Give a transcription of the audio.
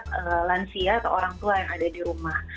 dan juga berbeda dengan lansia atau orang tua yang ada di rumah